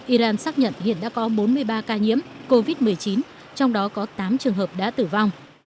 iran xác nhận hiện đã có bốn mươi ba ca nhiễm covid một mươi chín trong đó có tám trường hợp đã tử vong